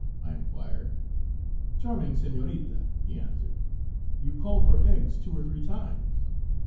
I inquired. "Charming senorita," he answered, "you called for eggs two or three times."